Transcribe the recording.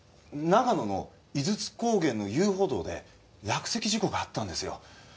長野の井筒高原の遊歩道で落石事故があったんですよ。